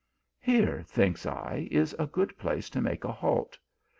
Here, thinks I, is a good place to make a halt.